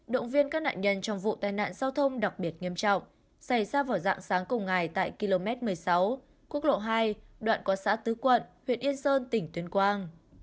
động viên các nạn nhân trong vụ tai nạn giao thông đặc biệt nghiêm trọng xảy ra vào dạng sáng cùng ngày tại km một mươi sáu quốc lộ hai đoạn qua xã tứ quận huyện yên sơn tỉnh tuyên quang